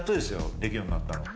できるようになったの。